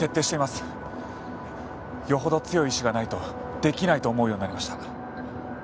余程強い意志がないと出来ないと思うようになりました。